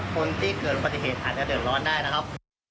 คนที่เกิดปฏิเสธอาจจะเดินร้อนได้นะครับ